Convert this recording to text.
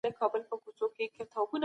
موږ په دغه مځکي نه بېدېدلو.